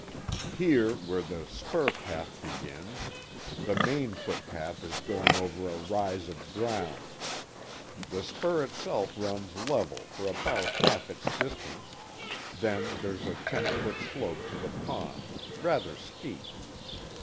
"Here, where the spur path begins, the main footpath is going over a rise of ground. The spur itself runs level for about half its distance, then there's a ten foot slope to the pond, rather steep."